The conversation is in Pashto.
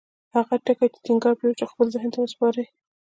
هغه ټکي چې ټينګار پرې وشو خپل ذهن ته وسپارئ.